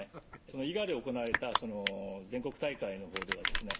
伊賀で行われた全国大会のほうではですね